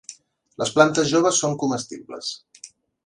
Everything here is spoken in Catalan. Les plantes joves són comestibles.